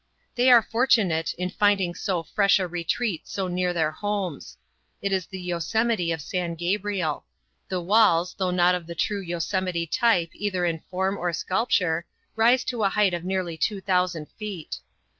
They are fortunate in finding so fresh a retreat so near their homes. It is the Yosemite of San Gabriel. The walls, though not of the true Yosemite type either in form or sculpture, rise to a height of nearly two thousand feet.